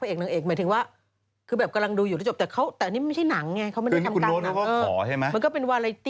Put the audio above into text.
อันนี้ก็รู้เรื่องว่าพออะไร